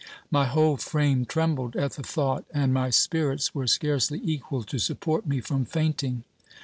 My whole frame trembled at the thought, and my spirits were scarcely equal to support me from fainting.